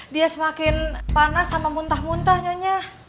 dia semakin panas sama muntah muntah nyonya